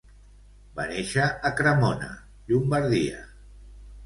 Va néixer a Cremona, Llombardia.